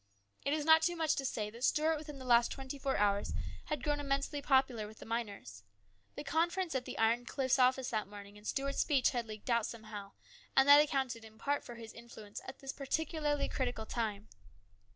It is not too much to say that Stuart within the last twenty four hours had grown immensely popular with the miners. The conference at the Iron Cliffs office that morning and Stuart's speech had leaked out somehow, and that accounted in part for his influence at this particularly critical time.